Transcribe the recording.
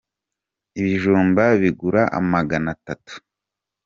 ibijumba bigura magana atatu